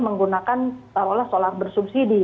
menggunakan parah parahlah solar bersubsidi